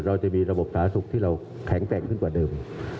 เราจะมีระบบสาธารณสุขที่เราแข็งแกร่งขึ้นกว่าเดิม